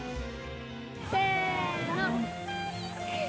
せの！